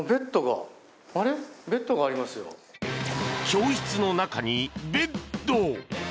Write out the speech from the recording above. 教室の中にベッド。